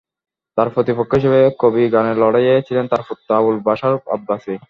তার প্রতিপক্ষ হিসেবে কবিগানের লড়াইয়ে ছিলেন তার পুত্র আবুল বাশার আব্বাসী।